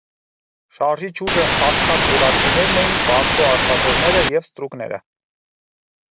Շարժիչ ուժը աղքատ գյուղացիներն էին, վարձու աշխատողները և ստրուկները։